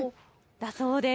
だそうです。